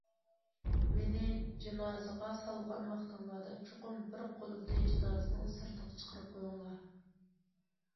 مېنى جىنازىغا سالغان ۋاقتىڭلاردا چوقۇم بىر قولۇمنى جىنازىنىڭ سىرتىغا چىقىرىپ قويۇڭلار.